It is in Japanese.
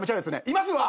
いますわ！